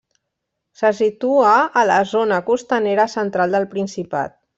Se situa en la zona costanera central del Principat.